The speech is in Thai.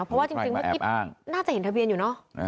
เพราะว่าจริงพวกพี่น่าจะเห็นทะเบียนอยู่